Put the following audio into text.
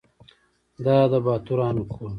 دا د باتورانو کور .